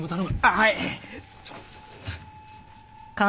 はい！